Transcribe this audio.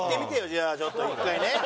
じゃあちょっと１回ね。